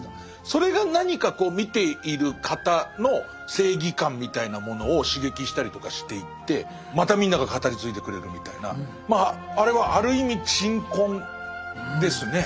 それが何か見ている方の正義感みたいなものを刺激したりとかしていってまたみんなが語り継いでくれるみたいなあれはある意味鎮魂ですね。